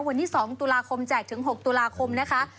วันที่๒ตุลาคมแจกถึง๖ตุลาคมนะคะ